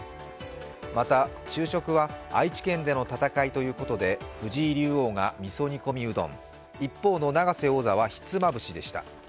また、昼食は、愛知県での戦いということで藤井竜王がみそ煮込みうどん、一方の永瀬王座はひつまぶしでした。